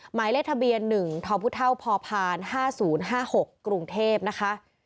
หมายเลขทะเบียนหนึ่งท้อพุท่าวพพห้าศูนย์ห้าหกกรุงเทพนะคะ